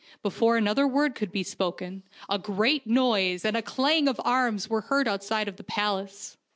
Before another word could be spoken a great noise and the clang of arms were heard outside the palace.